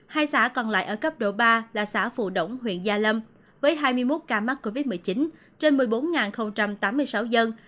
hai xã còn lại ở cấp độ ba là xã phù đổng huyện gia lâm với hai mươi một ca mắc covid một mươi chín trên một mươi bốn tám mươi sáu dân